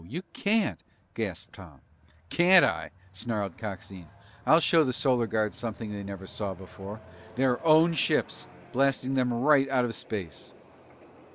You can't!" gasped Tom. "Can't I?" snarled Coxine. "I'll show the Solar Guard something they never saw before. Their own ships blasting them right out of space!"